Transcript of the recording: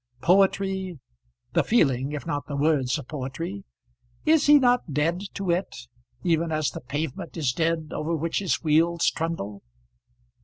Poetry, the feeling if not the words of poetry, is he not dead to it, even as the pavement is dead over which his wheels trundle?